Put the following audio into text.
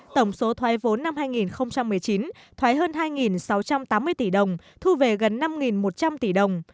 tổng số thoái vốn năm hai nghìn một mươi chín thoái hơn hai sáu trăm tám mươi tỷ đồng thu về gần năm một trăm linh tỷ đồng